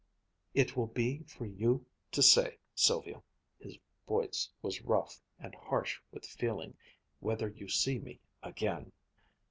"It will be for you to say, Sylvia," his voice was rough and harsh with feeling, "whether you see me again."